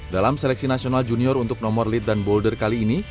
dalam seleksi nasional junior untuk nomor lead dan boulder kali ini